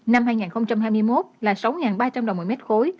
năm hai nghìn hai mươi một là sáu ba trăm linh đồng một mét khối